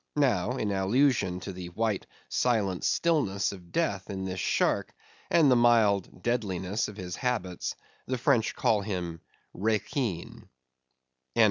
Now, in allusion to the white, silent stillness of death in this shark, and the mild deadliness of his habits, the French call him Requin.